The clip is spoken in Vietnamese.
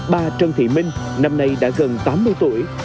bà trần thị minh năm nay đã gần tám mươi tuổi